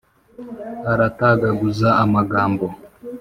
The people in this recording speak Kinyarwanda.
Aratagaguza amagambo.